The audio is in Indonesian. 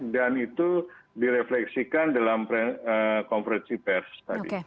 dan itu direfleksikan dalam konferensi pers tadi